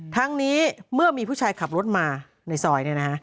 ทั้งนี้เมื่อมีผู้ชายขับรถมาในซอย